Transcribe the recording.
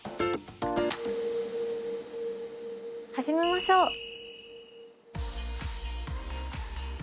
始めましょう。